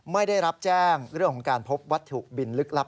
ไม่ได้รับแจ้งเรื่องของการพบวัตถุบินลึกลับ